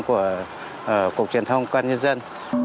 của cục truyền thông công an nhân dân